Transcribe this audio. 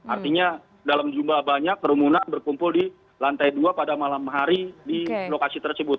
artinya dalam jumlah banyak kerumunan berkumpul di lantai dua pada malam hari di lokasi tersebut